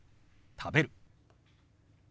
「食べる」。